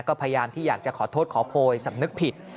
ก็พยายามที่อยากจะขอโทษขอโพยสำนึกผิด